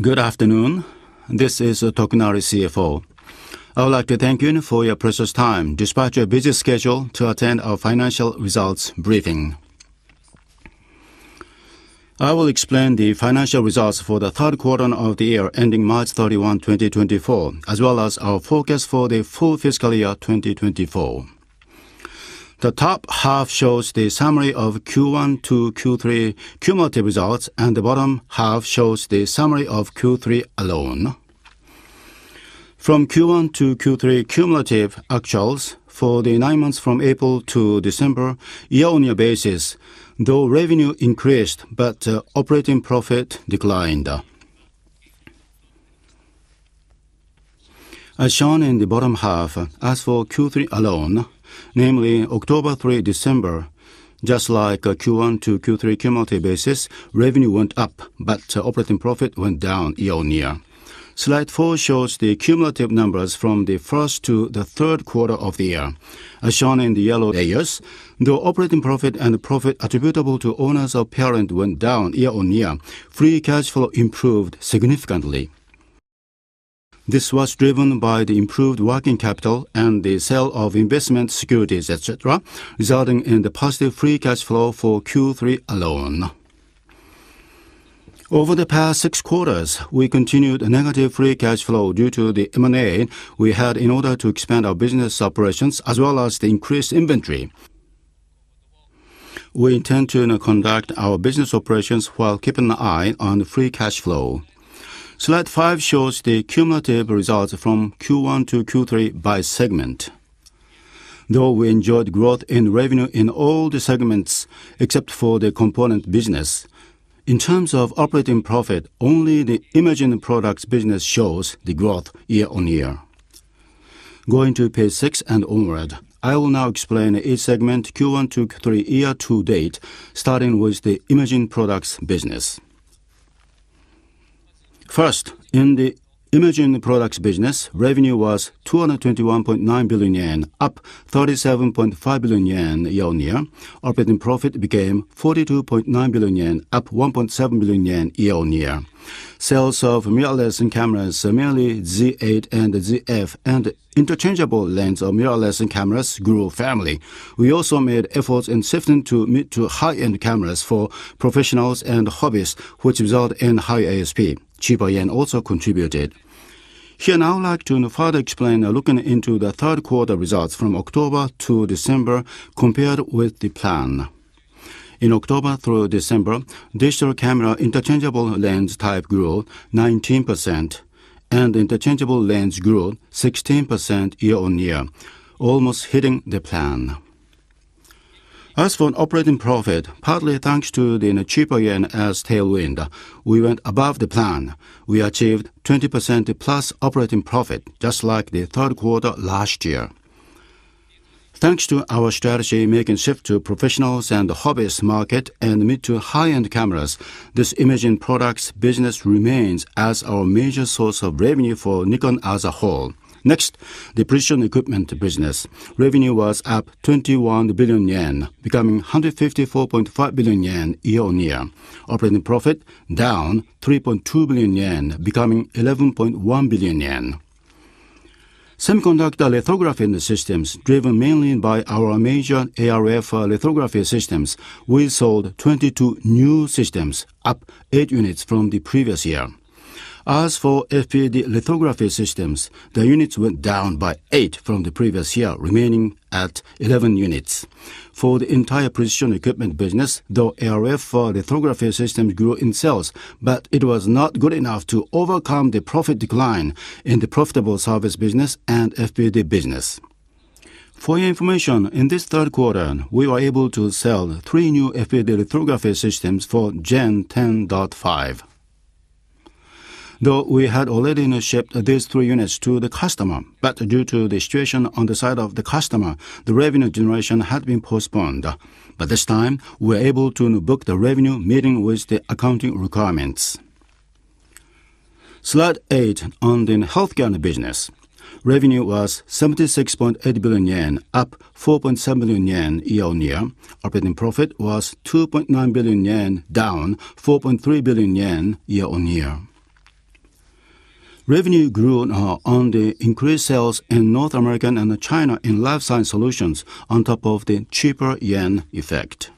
Good afternoon. This is Tokunari, CFO. I would like to thank you for your precious time, despite your busy schedule, to attend our financial results briefing. I will explain the financial results for the third quarter of the year, ending March 31, 2024, as well as our forecast for the full fiscal year 2024. The top half shows the summary of Q1 to Q3 cumulative results, and the bottom half shows the summary of Q3 alone. From Q1 to Q3 cumulative actuals for the nine months from April to December, year-over-year basis, though revenue increased, but operating profit declined. As shown in the bottom half, as for Q3 alone, namely October through December, just like Q1 to Q3 cumulative basis, revenue went up, but operating profit went down year-over-year. Slide 4 shows the cumulative numbers from the first to the third quarter of the year. As shown in the yellow layers, though operating profit and profit attributable to owners of parent went down year-on-year, free cash flow improved significantly. This was driven by the improved working capital and the sale of investment securities, etc., resulting in the positive free cash flow for Q3 alone. Over the past six quarters, we continued a negative free cash flow due to the M&A we had in order to expand our business operations, as well as the increased inventory. We intend to conduct our business operations while keeping an eye on free cash flow. Slide five shows the cumulative results from Q1 to Q3 by segment. Though we enjoyed growth in revenue in all the segments except for the Components Business, in terms of operating profit, only the Imaging Products Business shows the growth year-on-year. Going to page 6 and onward, I will now explain each segment, Q1 to Q3, year to date, starting with the Imaging Products Business. First, in the Imaging Products Business, revenue was 221.9 billion yen, up 37.5 billion yen year-on-year. Operating profit became 42.9 billion yen, up 1.7 billion yen year-on-year. Sales of mirrorless cameras, mainly Z 8 and Z f, and interchangeable lens of mirrorless cameras grew favorably. We also made efforts in shifting to mid- to high-end cameras for professionals and hobbyists, which result in higher ASP. Cheaper yen also contributed. Here, I would like to further explain, looking into the third quarter results from October to December, compared with the plan. In October through December, digital camera interchangeable lens type grew 19%, and interchangeable lens grew 16% year-on-year, almost hitting the plan. As for operating profit, partly thanks to the cheaper yen as tailwind, we went above the plan. We achieved 20%+ operating profit, just like the third quarter last year. Thanks to our strategy making shift to professionals and hobbyists market and mid to high-end cameras, this Imaging Products Business remains as our major source of revenue for Nikon as a whole. Next, the Precision Equipment Business. Revenue was up 21 billion yen, becoming 154.5 billion yen year-over-year. Operating profit, down 3.2 billion yen, becoming 11.1 billion yen. Semiconductor lithography systems, driven mainly by our major ArF lithography systems, we sold 22 new systems, up 8 units from the previous year. As for FPD lithography systems, the units went down by 8 from the previous year, remaining at 11 units. For the entire Precision Equipment Business, though ArF lithography systems grew in sales, but it was not good enough to overcome the profit decline in the profitable service business and FPD business. For your information, in this third quarter, we were able to sell 3 new FPD lithography systems for Gen 10.5. Though we had already shipped these three units to the customer, but due to the situation on the side of the customer, the revenue generation had been postponed. By this time, we were able to book the revenue, meeting with the accounting requirements. Slide 8 on the Healthcare Business. Revenue was 76.8 billion yen, up 4.7 billion yen year-over-year. Operating profit was 2.9 billion yen, down 4.3 billion yen year-over-year. Revenue grew on the increased sales in North America and China in Life Science Solutions, on top of the cheaper yen effect.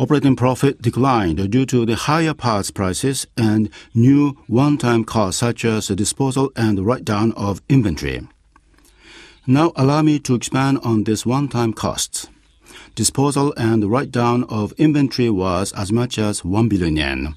Operating profit declined due to the higher parts prices and new one-time costs, such as the disposal and write-down of inventory. Now, allow me to expand on this one-time costs. Disposal and write-down of inventory was as much as 1 billion yen.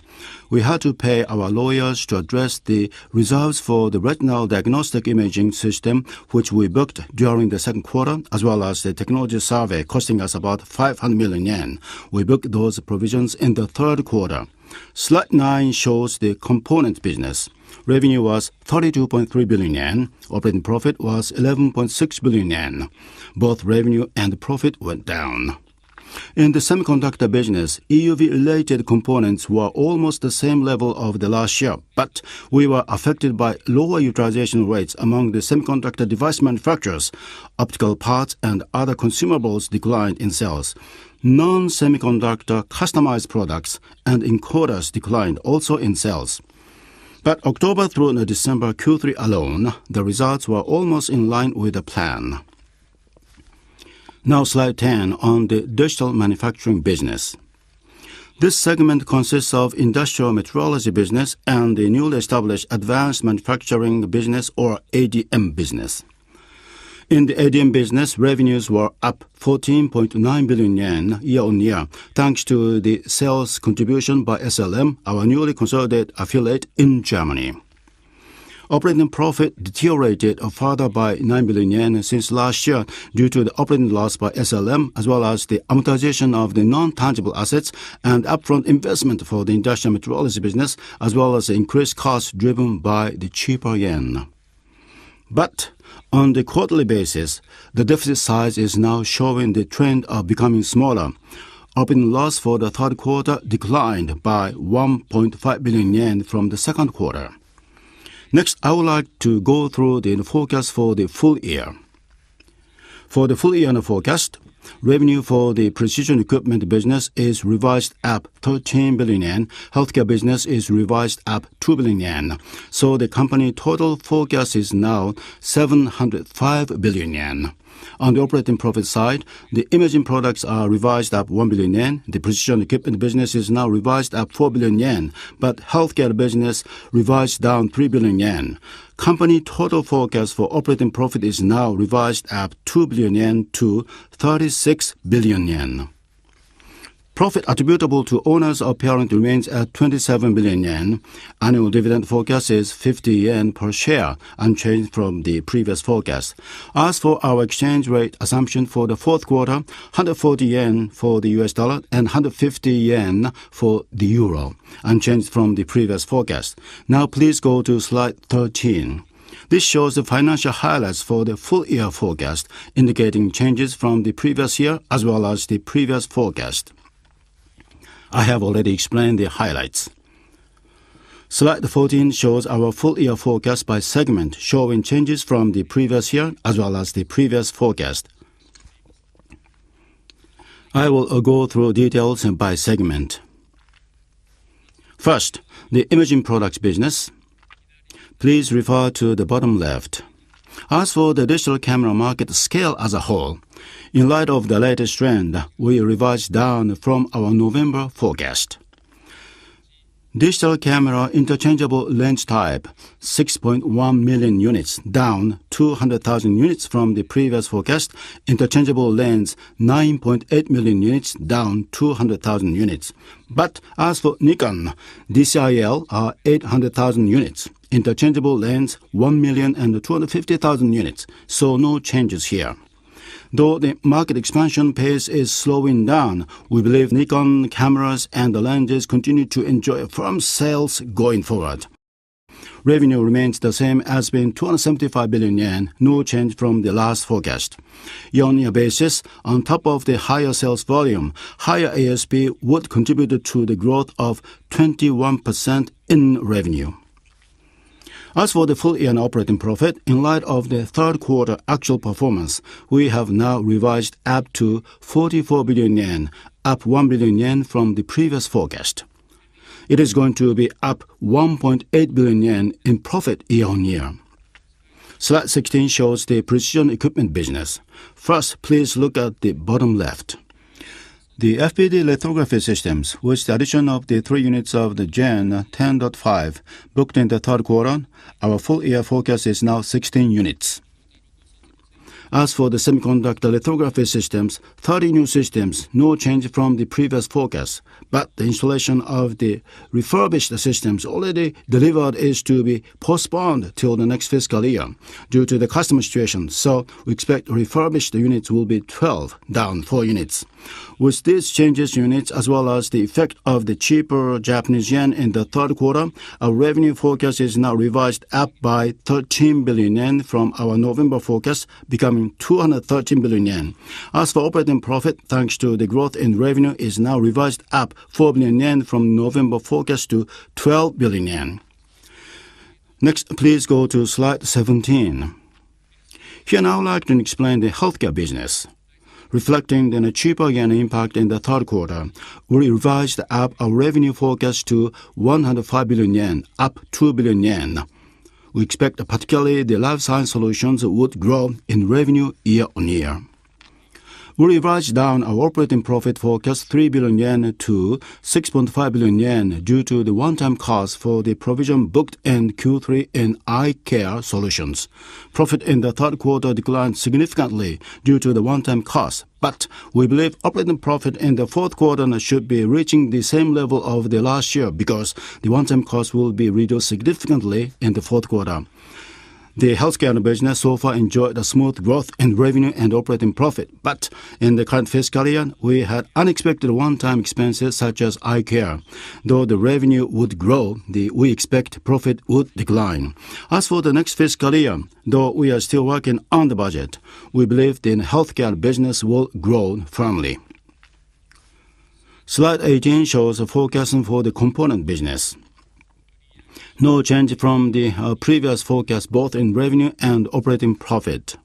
We had to pay our lawyers to address the reserves for the retinal diagnostic imaging system, which we booked during the second quarter, as well as the technology survey, costing us about 500 million yen. We booked those provisions in the third quarter. Slide 9 shows the Components Business. Revenue was 32.3 billion yen. Operating profit was 11.6 billion yen. Both revenue and profit went down. In the semiconductor business, EUV-related components were almost the same level of the last year, but we were affected by lower utilization rates among the semiconductor device manufacturers. Optical parts and other consumables declined in sales. Non-semiconductor customized products and encoders declined also in sales... But October through December Q3 alone, the results were almost in line with the plan. Now, slide 10 on the Digital Manufacturing Business. This segment consists of Industrial Metrology Business and the newly established Advanced Manufacturing Business or ADM business. In the ADM business, revenues were up 14.9 billion yen year-on-year, thanks to the sales contribution by SLM, our newly consolidated affiliate in Germany. Operating profit deteriorated further by 9 billion yen since last year, due to the operating loss by SLM, as well as the amortization of the intangible assets and upfront investment for the Industrial Metrology Business, as well as increased costs driven by the cheaper yen. But on the quarterly basis, the deficit size is now showing the trend of becoming smaller. Operating loss for the third quarter declined by 1.5 billion yen from the second quarter. Next, I would like to go through the forecast for the full year. For the full year forecast, revenue for the Precision Equipment Business is revised up 13 billion yen. Healthcare Business is revised up 2 billion yen. So the company total forecast is now 705 billion yen. On the operating profit side, the imaging products are revised up 1 billion yen. The Precision Equipment Business is now revised up 4 billion yen, but Healthcare Business revised down 3 billion yen. Company total forecast for operating profit is now revised up 2 billion yen to 36 billion yen. Profit attributable to owners of parent remains at 27 billion yen. Annual dividend forecast is 50 yen per share, unchanged from the previous forecast. As for our exchange rate assumption for the fourth quarter, 140 yen for the U.S. dollar and 150 yen for the euro, unchanged from the previous forecast. Now, please go to slide 13. This shows the financial highlights for the full year forecast, indicating changes from the previous year as well as the previous forecast. I have already explained the highlights. Slide 14 shows our full year forecast by segment, showing changes from the previous year as well as the previous forecast. I will go through details by segment. First, the Imaging Products Business. Please refer to the bottom left. As for the digital camera market scale as a whole, in light of the latest trend, we revised down from our November forecast. Digital camera interchangeable lens type, 6.1 million units, down 200,000 units from the previous forecast. Interchangeable lens, 9.8 million units, down 200,000 units. But as for Nikon, DC-IL are 800,000 units, interchangeable lens, 1,250,000 units, so no changes here. Though the market expansion pace is slowing down, we believe Nikon cameras and the lenses continue to enjoy firm sales going forward. Revenue remains the same as in 275 billion yen, no change from the last forecast. Year-on-year basis, on top of the higher sales volume, higher ASP would contribute to the growth of 21% in revenue. As for the full year operating profit, in light of the third quarter actual performance, we have now revised up to 44 billion yen, up 1 billion yen from the previous forecast. It is going to be up 1.8 billion yen in profit year-on-year. Slide 16 shows the Precision Equipment Business. First, please look at the bottom left. The FPD lithography systems, with the addition of the 3 units of the Gen 10.5 booked in the third quarter, our full year forecast is now 16 units. As for the semiconductor lithography systems, 30 new systems, no change from the previous forecast, but the installation of the refurbished systems already delivered is to be postponed till the next fiscal year due to the customer situation. So we expect refurbished units will be 12, down 4 units. With these changes units, as well as the effect of the cheaper Japanese yen in the third quarter, our revenue forecast is now revised up by 13 billion yen from our November forecast, becoming 213 billion yen. As for operating profit, thanks to the growth in revenue, is now revised up 4 billion yen from November forecast to 12 billion yen. Next, please go to slide 17. Here, I would like to explain the Healthcare Business. Reflecting the cheaper yen impact in the third quarter, we revised up our revenue forecast to 105 billion yen, up 2 billion yen. We expect particularly the Life Science Solutions would grow in revenue year-on-year. We revised down our operating profit forecast, 3 billion-6.5 billion yen, due to the one-time cost for the provision booked in Q3 in Eye Care Solutions. Profit in the third quarter declined significantly due to the one-time cost, but we believe operating profit in the fourth quarter should be reaching the same level of the last year, because the one-time cost will be reduced significantly in the fourth quarter. The Healthcare Business so far enjoyed a smooth growth in revenue and operating profit, but in the current fiscal year, we had unexpected one-time expenses, such as Eye Care. Though the revenue would grow, we expect profit would decline. As for the next fiscal year, though we are still working on the budget, we believe the Healthcare Business will grow firmly. Slide 18 shows the forecast for the Components Business. No change from the previous forecast, both in revenue and operating profit.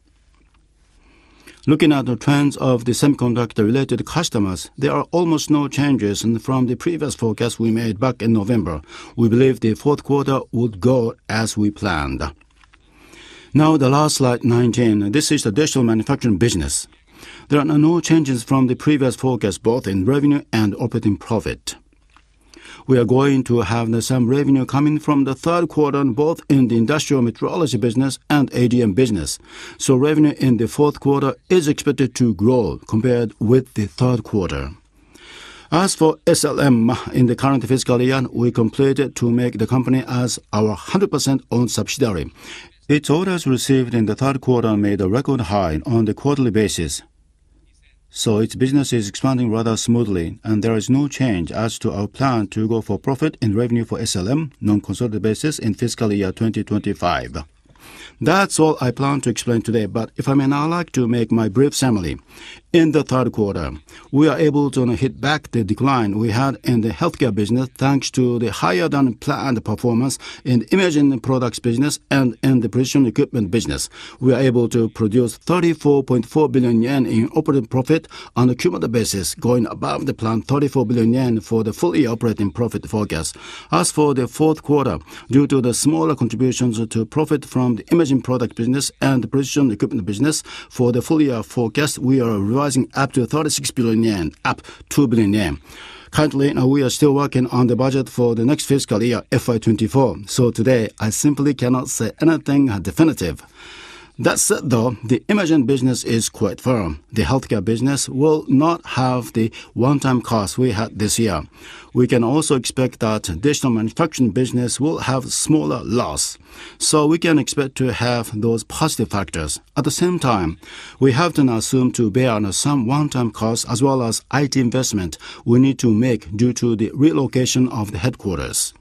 Looking at the trends of the semiconductor-related customers, there are almost no changes in from the previous forecast we made back in November. We believe the fourth quarter would go as we planned. Now, the last slide, 19. This is the Digital Manufacturing Business. There are no changes from the previous forecast, both in revenue and operating profit. We are going to have the same revenue coming from the third quarter, and both in the Industrial Metrology Business and ADM business. So revenue in the fourth quarter is expected to grow compared with the third quarter. As for SLM, in the current fiscal year, we completed to make the company as our 100% owned subsidiary. Its orders received in the third quarter made a record high on the quarterly basis. So its business is expanding rather smoothly, and there is no change as to our plan to go for profit and revenue for SLM, non-consolidated basis, in fiscal year 2025. That's all I plan to explain today, but if I may, now I'd like to make my brief summary. In the third quarter, we are able to hit back the decline we had in the Healthcare Business, thanks to the higher-than-planned performance in Imaging Products Business and in the Precision Equipment Business. We are able to produce 34.4 billion yen in operating profit on a cumulative basis, going above the planned 34 billion yen for the full year operating profit forecast. As for the fourth quarter, due to the smaller contributions to profit from the imaging product business and the Precision Equipment Business, for the full year forecast, we are revising up to 36 billion yen, up 2 billion yen. Currently, we are still working on the budget for the next fiscal year, FY 2024, so today I simply cannot say anything definitive. That said, though, the imaging business is quite firm. The Healthcare Business will not have the one-time costs we had this year. We can also expect that Digital Manufacturing Business will have smaller loss, so we can expect to have those positive factors. At the same time, we have to now assume to bear on some one-time costs, as well as IT investment we need to make due to the relocation of the headquarters.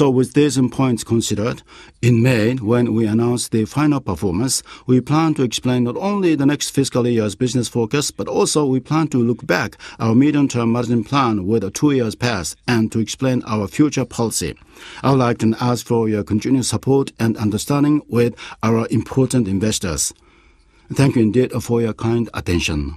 With these in points considered, in May, when we announce the final performance, we plan to explain not only the next fiscal year's business focus, but also we plan to look back our Medium-Term Management Plan with the two years passed and to explain our future policy. I would like to ask for your continued support and understanding with our important investors. Thank you indeed for your kind attention.